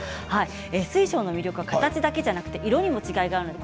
水晶の魅力は形だけでなく色にも違いがあるんです。